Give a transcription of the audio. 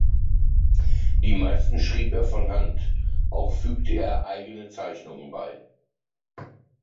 Die meisten schrieb er von Hand, auch fügte er eigene Zeichnungen bei.